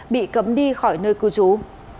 bị cấm đi khỏi nơi cư trú